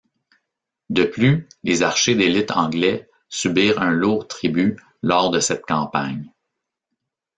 De plus, les archers d'élites anglais subirent un lourd tribut lors de cette campagne.